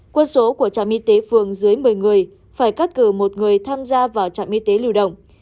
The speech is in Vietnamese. quân số của trạm y tế phường dưới một mươi người phải cắt cử một người tham gia vào trạm y tế lưu động